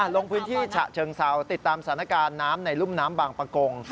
ลงพื้นที่ฉะเชิงเซาติดตามสถานการณ์น้ำในรุ่มน้ำบางประกง